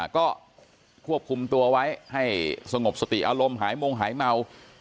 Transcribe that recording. ก็ควบคุมตัวไว้ให้สงบสติอารมณ์หายมงหายเมา